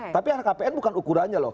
tapi lhkpn bukan ukurannya